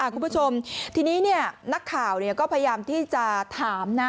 คุณผู้ชมทีนี้นักข่าวก็พยายามที่จะถามนะ